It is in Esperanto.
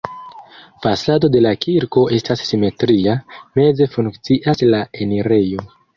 Fasado de la kirko estas simetria, meze funkcias la enirejo.